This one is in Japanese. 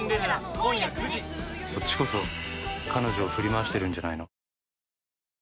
「そっちこそ彼女を振り回してるんじゃないの？」